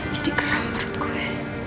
jadi keras menurut gue